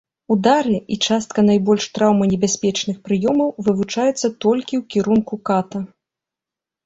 Удары і частка найбольш траўманебяспечных прыёмаў вывучаюцца толькі ў кірунку ката.